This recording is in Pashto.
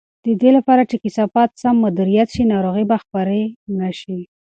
د دې لپاره چې کثافات سم مدیریت شي، ناروغۍ به خپرې نه شي.